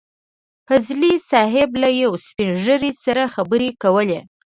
فضلي صیب له يو سپين ږيري سره خبرې کولې.